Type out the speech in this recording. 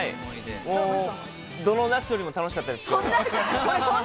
どの夏よりも楽しかったです。